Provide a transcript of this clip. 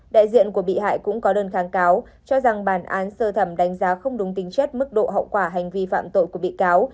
đại diện của bị hại cũng có đơn kháng cáo cho rằng bản án sơ thẩm đánh giá không đúng tính chất mức độ hậu quả hành vi phạm tội của bị cáo